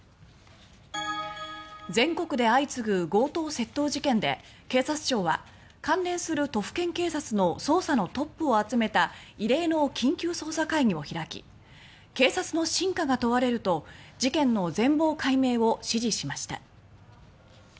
全国で相次ぐ強盗、窃盗事件で警察庁は関連する都府県警察の捜査のトップを集めた異例の緊急捜査会議を開き警察の真価が問われると事件の全貌解明を指示しました。